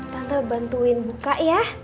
tante bantuinmu kak ya